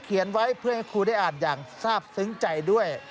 ไว้เพื่อให้ครูได้อ่านอย่างทราบซึ้งใจด้วย